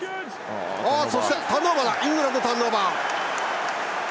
そして、イングランドターンオーバー。